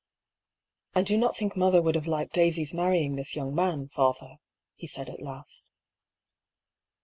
*' I do not think mother would have liked Daisy's marrying this young man, father," he said at last.